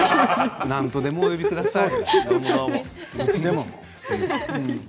何とでもお呼びください。